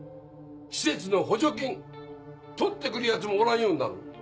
施設の補助金取って来るヤツもおらんようになる。